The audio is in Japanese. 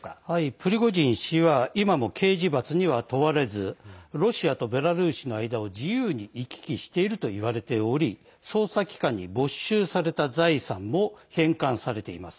プリゴジン氏は今も刑事罰には問われずロシアとベラルーシの間を自由に行き来しているといわれており捜査機関に没収された財産も返還されています。